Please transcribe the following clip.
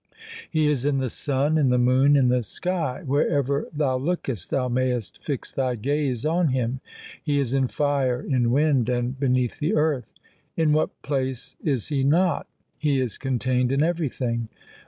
He is in the sun, in the moon, in the sky. Wherever thou lookest, thou mayest fix thy gaze on Him. He is in fire, in wind, and be neath the earth. In what place is He not ? He is con tained in everything.